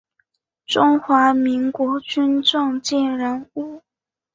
中华民国军政界人物。